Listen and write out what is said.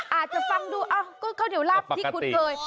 อาจจะฟังดูก็ข้าวเหนียวลับที่คุ้นเคย